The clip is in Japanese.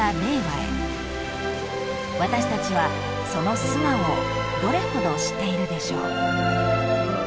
［私たちはその素顔をどれほど知っているでしょう］